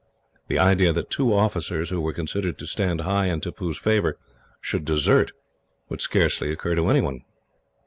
The idea that two officers, who were considered to stand high in Tippoo's favour, should desert, would scarcely occur to anyone.